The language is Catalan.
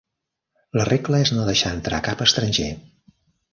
La regla és no deixar entrar cap estranger.